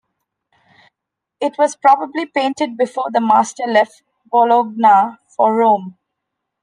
It was probably painted before the master left Bologna for Rome.